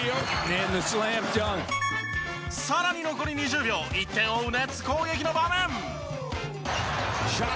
さらに残り２０秒１点を追うネッツ攻撃の場面。